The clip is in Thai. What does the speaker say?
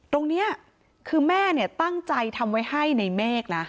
ตรงนี้คือแม่เนี่ยตั้งใจทำไว้ให้ในเมฆนะ